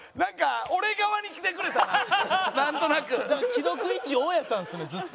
既読１大家さんですねずっと。